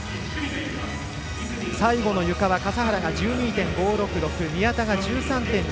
最後のゆかは笠原が１２．５６６宮田が１３．２３３。